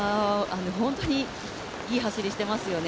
本当にいい走りしていますね